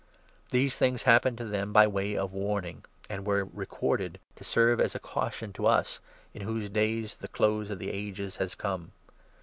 These things happened to .them by way of warning, and were 1 1 recorded to serve as a caution to us, in whose days the close of the ages has come.